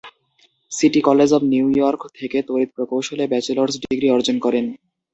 City College of New York থেকে তড়িৎ প্রকৌশলে ব্যাচেলর্স ডিগ্রি অর্জন করেন।